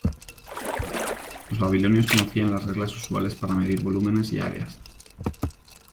Los babilonios conocían las reglas usuales para medir volúmenes y áreas.